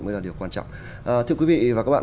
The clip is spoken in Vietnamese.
mới là điều quan trọng thưa quý vị và các bạn